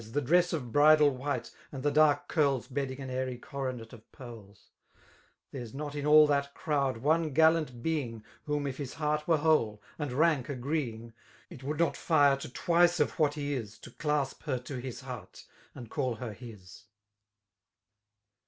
The dress of bridal white, and the daik cwb Bedding an airy coronet of pearls f There's not in aU that crowd one gallant being, \ Whom if his heart were whole, and rank agredog/f^ It would not fire to twice of what he is, '^ To clasp her to his heart, and call her his.